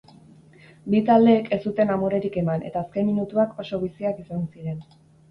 Bi taldeek ez zuten amorerik eman eta azken minutuak oso biziak izan ziren.